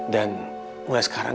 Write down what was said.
dan mulai sekarang